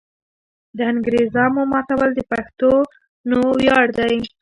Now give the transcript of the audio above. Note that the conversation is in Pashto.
د انګریزامو ماتول د پښتنو ویاړ دی.